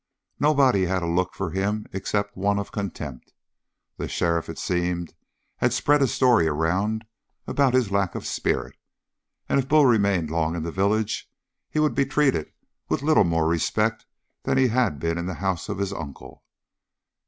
Nobody had a look for him except one of contempt. The sheriff, it seemed, had spread a story around about his lack of spirit, and if Bull remained long in the village, he would be treated with little more respect than he had been in the house of his uncle.